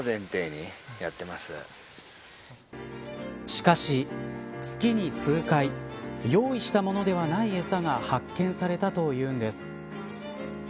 しかし、月に数回用意したものではない餌が発見されたというんです。